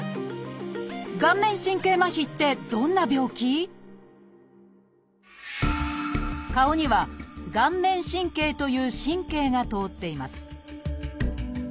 顔面神経麻痺って顔には「顔面神経」という神経が通っています。